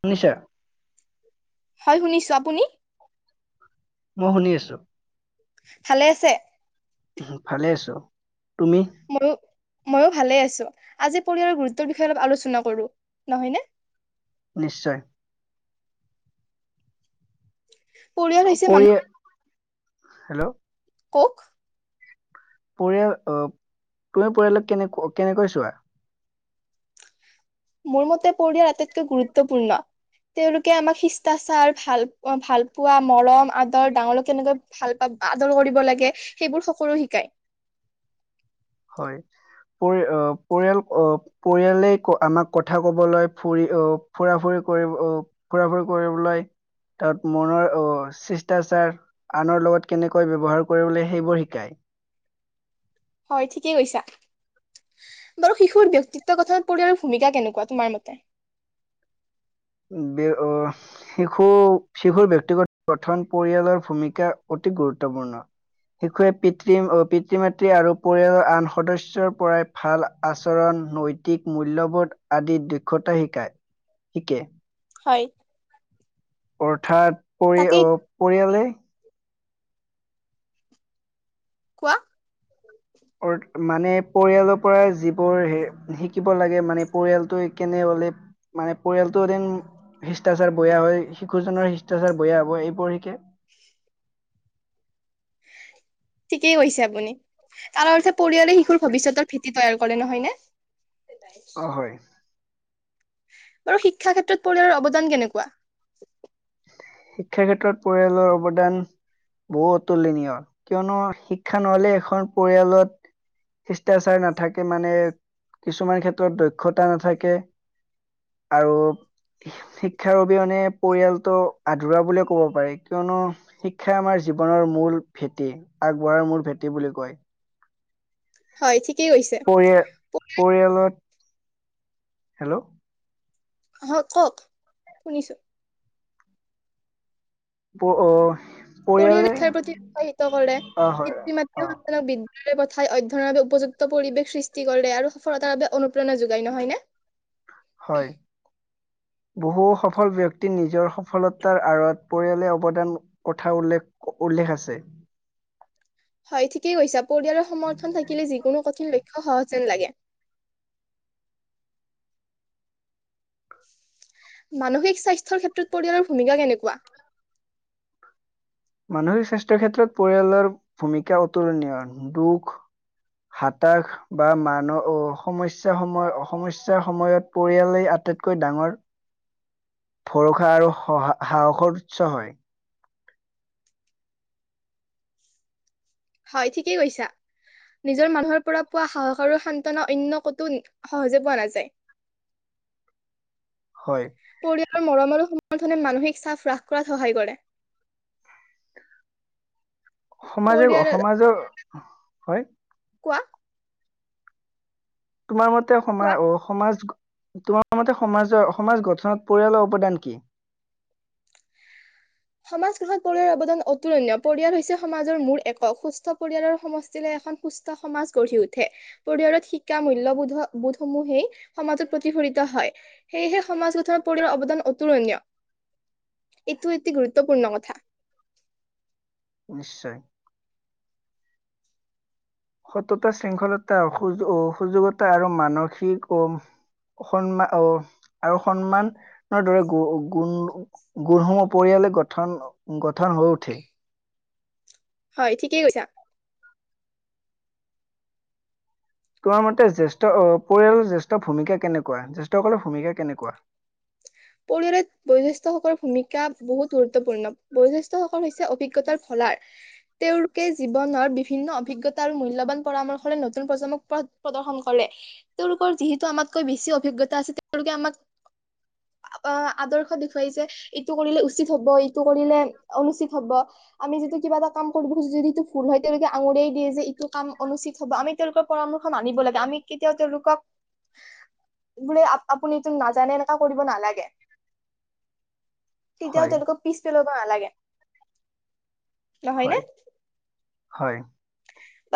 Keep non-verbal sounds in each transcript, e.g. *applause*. শুনিছা? হয় শুনিছোঁ, আপুনি? মই শুনি আছো। ভালে আছে? ভালে আছো। তুমি? মোৰো মইয়ো ভালে আছো। আজি পৰিয়ালৰ গুৰুত্বৰ বিষয়ে অলপ আলোচনা কৰো, নহয় নে? নিশ্চয়! পৰিয়াল হৈছে মানুহ পৰিয়ে, হেল্ল'। কওঁক? পৰিয়াল অঁ, তুমি পৰিয়ালক কেনেক কেনেকৈ চোৱা? মোৰ মতে পৰিয়াৰ আটাইতকৈ গুৰুত্বপূৰ্ণ। তেওঁলোকে আমাক শিষ্টাচাৰ ভাল ভাল পোৱা, মৰম আদৰ, ডাঙৰক কেনেকুৱা- ভাল পাব, আদৰ কৰিব লাগে সেইবোৰ সকলো শিকায়। হয়। পৰি অঁ, পৰিয়াল অঁ- পৰিয়ালে আমাক কথা কবলৈ, ফুৰি আহ ফুৰা ফুৰি কৰিব আহ- ফুৰা ফুৰি কৰিবলৈ, তাত মনৰ অঁ শিষ্টাচাৰ- আনৰ লগত কেনেকৈ ব্যৱহাৰ কৰিবলে সেইবোৰ শিকায়। হয়, ঠিকেই কৈছা। বাৰু শিশুৰ ব্যক্তিত্ব গঠনত পৰিয়ালৰ ভূমিকা কেনেকুৱা তোমাৰ মতে? বে অঁ- শিশু শিশুৰ ব্যক্তিগত গঠন পৰিয়ালৰ ভূমিকা অতি গুৰুত্বপূৰ্ণ। শিশুৱে পিতৃ অঁ পিতৃ মাতৃ আৰু পৰিয়ালৰ আন সদস্য ৰ পৰাই- ভাল আচৰণ নৈতিক মূল্যবোধ আদি দক্ষতা শিকায় শিকে হয়ঁ! অৰ্থাৎ পৰি তাকেই অঁ পৰিয়ালে- কোৱা? অ'মানে পৰিয়ালৰ পৰা যিবোৰ শিকিব লাগে মানে পৰিয়ালটোোৱ কেনে হলে- মানে পৰিয়ালটো এদিন শিষ্টাচাৰ বেয়া হয় শিশুজনৰ শিষ্টাচাৰ বেয়া হবৈ এইবোৰ সিকে। ঠিকেই কৈছে আপুনি? তাৰ অৰ্থে পৰিয়ালে শিশুৰ ভৱিষ্যতৰ ভেটি তৈয়াৰ কৰে নহয় নে? অঁ হয়! বাৰু শিক্ষা ক্ষেত্ৰত পৰিয়ালৰ অৱদান কেনেকুৱা? শিক্ষাৰ ক্ষেত্ৰত পৰিয়ালৰ অৱদান- বহু অতুলনীয় কিয়নো শিক্ষা নহলে এখন পৰিয়ালত- শিষ্টাচাৰ নাথাকে মানে কিছুমান ক্ষেত্ৰত দক্ষতা নাথাকে। আৰু শিক্ষাৰ অবিহনে পৰিয়াল- ত আধৰুৱ বুলিয়ে ক'ব পাৰি কিয়নো? শিক্ষা আমাৰ জীৱনৰ মূল ভেটি আগবঢ়াৰ মূল ভেঁটি বুলি কয়। হয়! ঠিকেই কৈছে? পৰি এ পৰিয়ালত- হেল্লৌ! হয়ঁ কওক শুনিছোঁ। প অঁ- পৰিয়াল শিক্ষাৰ প্ৰতি উৎসাহিত কৰে অ হয় পিতৃ মাতৃ অ সন্তানক বি- বিদ্যালয়ৰ পথাই অধ্যয়নৰ বাবে উপযুক্ত পৰিৱেশ সৃষ্টি কৰিলে আৰু সফলতাৰ বাবে অনুপ্ৰেৰণা যোগাই নহয় নে। হয়ঁ! বহু সফল ব্যয়ক্তি নিজৰ সফলতাৰ আঁৰত পৰিয়ালে অৱদান- কথা উল্লেখ উল্লেখ আছে। হয়ঁ ঠিকেই কৈছা পৰিয়ালৰ সমৰ্থন থাকিলে যিকোনো কঠিন লক্ষ্য সহজ যেন লাগে। মানসিক স্বাস্থ্যৰ ক্ষেত্ৰত পৰিয়ালৰ ভূমিকা কেনেকুৱা? মানসিক স্বাস্থ্য ক্ষেত্ৰত পৰিয়ালৰ ভূমিকা অতুলনীয় দুখ- হাতাশ- বা মানহ অঁ সমস্যাৰ সময়ত সমস্যাৰ সময়ত পৰিয়ালেই আটাইতকৈ ডাঙৰ। *inaudible* ভৰসা আৰু সা সাহসৰ উৎস হয়ঁ। হয়ঁ ঠিকেই কৈছা। নিজৰ মানুহৰ পৰা পোৱা সাহস আৰু সান্তনা অন্য ক'তো সহজে পোৱা নাযায়। *unintelligible* হয়ঁ! পৰিয়ালৰ মৰম আৰু সমৰ্থনে মানসিক চাপ হ্ৰাস কৰাত সহায় কৰে। সমাজে পৰিয়াল সমাজৰ হয়ঁ। কোৱা- তোমাৰ মতে কোৱা সমাই অহ- সমাজ তোমাৰ মতে সমাজৰ সমাজ গঠনত পৰিয়ালৰ অৱদান কি? সমাজ কষত পৰিয়ালৰ অৱদান অতুলনীয় পৰিয়াল হৈছে সমাজৰ মূল একক সুস্থ পৰিয়ালৰ সমষ্টিলে এখন- সুস্থ সমাজ গঢ়ি উঠে। পৰিয়ালত শিকা মূল্যয়বোধ বোধসমূহেই সমাজত প্ৰতিফলিত হয়ঁ। সেয়েহে সমাজ গঠনৰ পৰিয়ালৰ অৱদান অতুলনীয় এইটো অতি গুৰুত্বপূৰ্ণ কথা। নিশ্চয়। সততা, শৃংখলতা, অসু সুযোগতা আৰু মানসিক অ সন্মা অহ আৰু সন্মানৰ দৰে গ গুণ গুণসমূহ পৰিয়ালে গঠন গঠন হৈ উঠে। হয় ঠিকেই কৈছা। তোমাৰ মতে জ্যেষ্ঠ অ পৰিয়ালৰ জ্যেষ্ঠ ভূমিকা কেনেকুৱা? জ্যেষ্ঠসকলৰ ভূমিকা কেনেকুৱা? পৰিয়ালত বয়োজ্যেষ্ঠ সকলৰ ভূমিকা বহুত গুৰুত্বপূৰ্ণ, বয়োজ্যেষ্ঠ সকল হৈছে অভিজ্ঞতাৰ ফলাৰ। তেওঁলোকে জীৱনৰ বিভিন্ন অভিজ্ঞতা আৰু মূল্যবান পৰামৰ্শলৈ নতুন প্ৰজন্মক প্ৰ প্ৰদৰ্শন কৰে তেওঁলোকৰ যিহেতু আমাতকৈ বেছি অভিজ্ঞতা আছে তেওঁলোকে আমাক অ আদৰ্শ দেখুৱাই যে ইটো কৰিলে উচিত হব, ইটো কৰিলে অনুচিত হব। আমি যিটো কিবা এটা কাম কৰিব খোজো যদি এইটো ভুল হয় তেওঁলোকে আঙুৰিয়াই দিয়ে যে এইটো কাম অনুষ্ঠচিত হ'ব আমি তেওঁলোকৰ পৰামৰ্শ মানিব লাগে, আমি কেতিয়াও তেওঁলোকক বোলে আপ আপুনি তো নাজানে এনেকা কৰিব নালাগে। তেতিয়াও হয় তেওঁলোকক পিছ পেলাব নালাগে। নহয় নে হয়, হয়।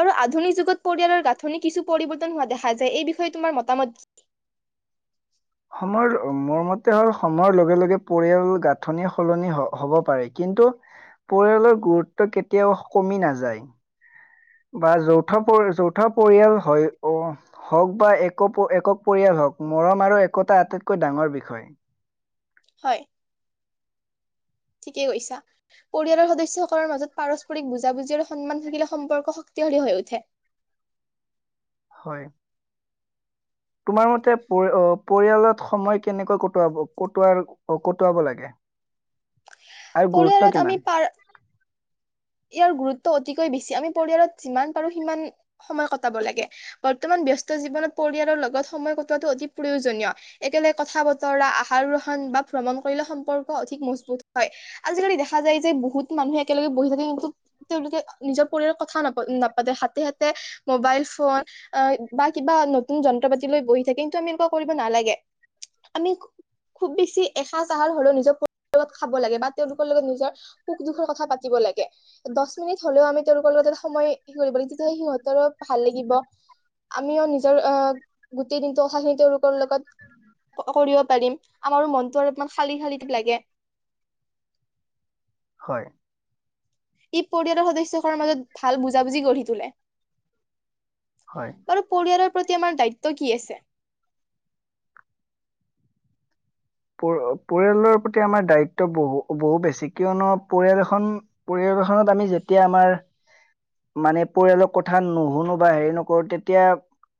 আৰু আধুনিক যুগত পৰিয়ালৰ গাঁথনি কিছু পৰিৱৰ্তন হোৱা দেখা যায় এই বিষয়ে তোমাৰ মতামত সময়ৰ মোৰ মতে হ'ল সময়ৰ লগে লগে পৰিয়াল গাঁথনি সলনি হ হব পাৰে কিন্তু পৰিয়ালৰ গুৰুত্ব কেতিয়াও কমি নাযায়। বা যৌথ পৰি যৌথ পৰিয়াল হয় অ হওক বা এক প একক পৰিয়াল হওক, মৰম আৰু একতা আটাইতকৈ ডাঙৰ বিষয়। হয়। ঠিকে কৈছা। পৰিয়ালৰ সদস্যসকলৰ মাজত পাৰস্পৰিক বুজাবুজি আৰু সন্মান থাকিলে সম্পৰ্ক শক্তিশালী হৈ উঠে। হয়। তোমাৰ মতে পৰি অ পৰিয়ালত সময় কেনেকৈ কটোৱাব কটোৱাৰ অ কটুৱাব লাগে? আৰু গুৰুত্ব পৰিয়ালত আমি কিমান? পাৰ ইয়াৰ গুৰুত্ব অতিকৈ বেছি, আমি পৰিয়ালত যিমান পাৰো সিমান সময় কটাব লাগে। বৰ্তমান ব্যস্ত জীৱনত পৰিয়ালৰ লগত সময় কটোৱাটো অতি প্ৰয়োজনীয়। একেলগে কথা বতৰা, আহাৰ গ্ৰহণ বা ভ্ৰমণ কৰিলে সম্পৰ্ক অধিক মজবুত হয়। আজিকালি দেখা যায় যে বহুত মানুহ একেলগে বহি থাকে কিন্তু তেওঁলোকে নিজৰ পৰিয়ালৰ কথা নাপা নাপাতে, হাতে - হাতে মোবাইল ফোন অ বা কিবা নতুন যন্ত্ৰ পাতি লৈ বহি থাকে কিন্তু আমি এনেকুৱা কৰিব নালাগে। আমি খুব বেছি এসাঁজ আহাৰ হলেও নিজৰ পৰিয়ালত খাব লাগে বা তেওঁলোকৰ লগত নিজৰ সুখ - দুখৰ কথা পাতিব লাগে। দছ মিনিট হলেও আমি তেওঁলোকৰ লগত এটা সময়ে কি কৰিব লাগে তেতিয়াহে সিহঁতৰো ভাল লাগিব। আমিও নিজৰ আ গোটেই দিনটো কথাখিনি তেওঁলোকৰ লগত ক কৰিব পাৰিম, আমাৰো মনতো অলপমান খালি - খালি লাগে। হয়। ই পৰিয়ালৰ সদস্যসকলৰ মাজত ভাল বুজাবুজি গঢ়ি তোলে। হয়। আৰু পৰিয়ালৰ প্ৰতি আমাৰ দায়িত্ব কি আছে? পৰ পৰিয়ালৰ প্ৰতি আমাৰ দায়িত্ব বহু বহু বেছি কিয়নো পৰিয়াল এখন পৰিয়াল এখনত আমি যেতিয়া আমাৰ মানে পৰিয়ালৰ কথা নুহুনো বা হেৰি নকৰো তেতিয়া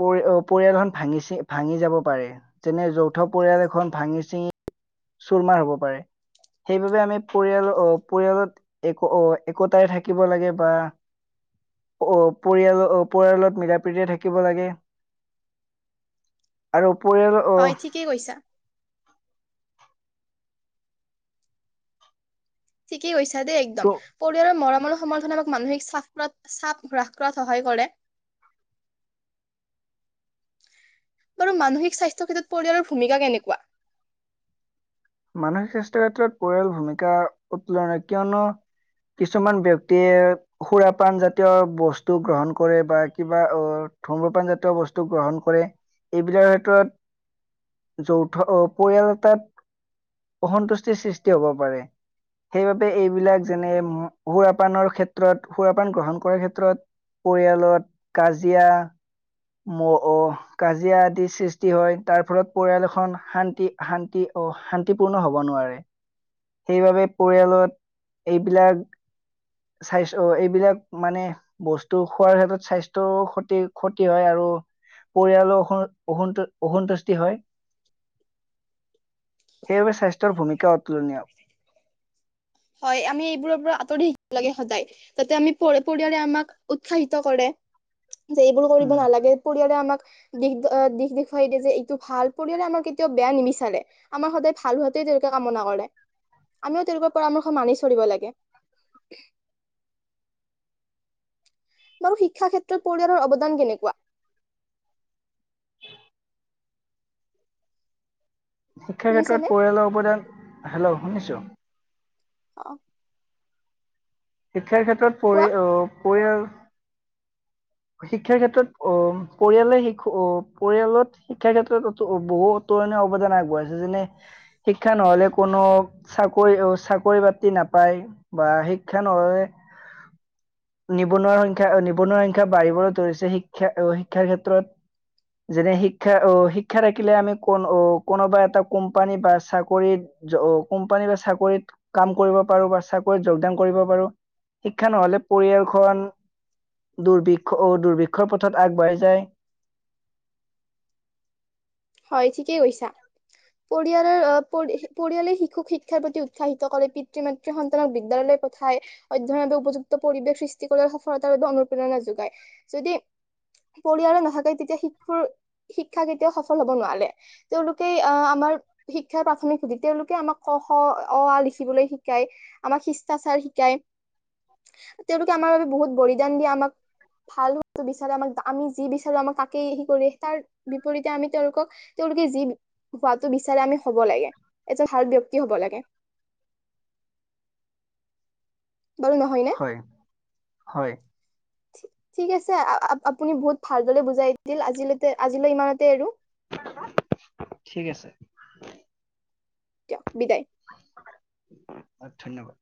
পৰি অ পৰিয়ালখন ভাঙি চি ভাঙি যাব পাৰে যেনে যৌথ পৰিয়াল এখন ভাঙি চিঙি চুৰমাৰ হব পাৰে সেইবাবে আমি পৰিয়াল অ পৰিয়ালত এক অ একোতাৰে থাকিব লাগে বা অ পৰিয়াল অ পৰিয়ালত মিলা প্ৰীতিৰে থাকিব লাগে *inaudible* আৰু পৰিয়ালৰ অ কে কৈছা। ঠিকেই কৈছা দেই একদম। ত পৰিয়ালৰ মৰমৰ সমৰ্থনে আমাক মানসিক হ্ৰাস কৰাত চাপ হ্ৰাস কৰাত সহায় কৰে। বাৰু মানসিক স্বাস্থ্য ক্ষেত্ৰত পৰিয়ালৰ ভূমিকা কেনেকুৱা? মানসিক স্বাস্থ্যৰ ক্ষেত্ৰত পৰিয়াল ভূমিকা অতুলনীয় কিয়নো কিছুমান ব্যক্তিয়ে সুৰা পান জাতীয় বস্তু গ্ৰহণ কৰে বা কিবা অ ধুম্ৰপানজাতীয় বস্তু গ্ৰহণ কৰে। এইবিলাক ক্ষেত্ৰত যৌথ অ পৰিয়াল এটাত অসন্তুষ্টিৰ সৃষ্টি হব পাৰে। সেইবাবে এইবিলাক যেনে ম সুৰাপানৰ ক্ষেত্ৰত সুৰাপান গ্ৰহণ কৰাৰ ক্ষেত্ৰত পৰিয়ালত কাজিয়া ম অ কাজিয়া আদি সৃষ্টি হয় তাৰ ফলত পৰিয়াল এখন শান্তি শান্তি অ শান তি পূৰ্ণ হ'ব নোৱাৰে সেইবাবে পৰিয়ালত এইবিলাক স্বাস্থ্য এইবিলাক মানে বস্তু খোৱাৰ ক্ষেত্ৰত স্বাস্থ্যও ক্ষতি ক্ষত কি হয় আৰু পৰিয়ালৰ অস অসন্ত অসন্তুষ্টি হয়। সেইবাবে স্বাস্থ্যৰ ভূমিকা অতুলনীয়। হয় আমি এইবোৰৰ পৰা আঁতৰি লাগে সদায়। যাতে আমি পৰে পৰিয়ালে আমাক উৎসাহিত কৰে যে এইবোৰ কৰিব উম নালাগে। পৰিয়ালে আমাক দিশ আ দিশ দেখুৱাই দিয়ে যে এইটো ভাল পৰিয়ালে আমাৰ কেতিয়াও বেয়া নিবিচাৰে। আমাৰ সদায় ভাল হোৱাতে তেওঁলোকে কামনা কৰে, আমিও তেওঁলোকৰ পৰামৰ্শ মানি চলিব লাগে। বাৰু শিক্ষা ক্ষেত্ৰত পৰিয়ালৰ অৱদান কেনেকুৱা? *inaudible* শিক্ষাৰ ক্ষেত্ৰত শুনিছানে? পৰিয়ালৰ অৱদান, হেল্ল' শুনিছো। অ। শিক্ষাৰ ক্ষেত্ৰত কোৱা পৰি অ পৰিয়াল শিক্ষাৰ ক্ষেত্ৰত অ পৰিয়ালে শিক অ পৰিয়ালত শিক্ষাৰ ক্ষেত্ৰত অ তো বহুত তো মানে অৱদান আগবঢ়াইছে যেনে শিক্ষা নহ'লে কোনো, চাকৰি অ চাকৰি বাতি নাপায়। বা শিক্ষা নহয় নিবনুৱাৰ সংখ্যা অ নিবনুৱা শিক্ষা বাঢ়িবলৈ ধৰিছে শিক্ষা অ শিক্ষাৰ ক্ষেত্ৰত যেনে শিক্ষা অ শিক্ষা থাকিলে আমি কোন অ কোনোবা এটা কোম্পানী বা চাকৰিত যো অ কোম্পানী বা চাকৰিত কাম কৰিব পাৰো বা চাকৰিত যোগদান কৰিব পাৰো। শিক্ষা নহ'লে পৰিয়ালখন দুৰভিক্ষ অ দুুৰভিক্ষৰ পথত আগবাঢ়ি যায়। হয় ঠিকেই কৈছা। পৰিয়ালৰ অ পৰি পৰিয়ালে শিশুক শিক্ষাৰ প্ৰতি উৎসাহিত কৰে, পিতৃ মা কে সন্তানক বিদ্যালয়লৈ পঠায়। অধ্যয়নৰ উপযুক্ত পৰিৱেশ সৃষ্টি কৰে আৰু সফলতাৰ বাবে অনুপ্ৰেৰণা যোগায় যদি পৰিয়ালে নাথাকে তেতিয়া শিশুৰ শিক্ষা কেতিয়াও সফল হ'ব নোৱাৰে। তেওঁলোকে আহ আমাৰ শিক্ষাৰ প্ৰাথমিক সুতি তেওঁলোকে আমাক ক খ, অ আ লিখিবলৈ শিকায়। আমাক শিষ্টাচাৰ শিকায়, তেওঁলোকে আমাৰ বাবে বহুত বলিদান দি আমাক ভাল হোৱাতো বিচাৰে, আমাক আমি যি বিচাৰো আমাক তাকেই সেই কৰে তাৰ বিপৰীতে আমি তেওঁলোকক তেওঁলোকে যি হোৱাটো বিচাৰে আমি হ'ব লাগে, এজন ভাল ব্যক্তি হ'ব লাগে। বাৰু নহয় নে? হয় হয় ঠি ঠিক আছে আ আ আপুনি বহুত ভালদৰে বুজাই দিল আজিলৈতে আজিলৈ ইমানতে এৰো। ঠিক আছে। দিয়ক বিদায়। অ ধন্যবাদ।